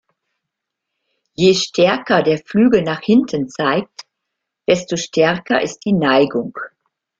Je stärker der Flügel nach hinten zeigt, desto stärker ist die Neigung.